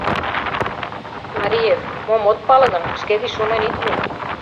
— Мареев, мом от пале гын, шке гыч шонен ит лук...